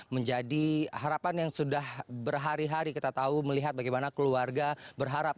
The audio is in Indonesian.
menjadi harapan yang sudah berhari hari kita tahu melihat bagaimana keluarga berharap